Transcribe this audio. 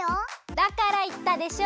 だからいったでしょ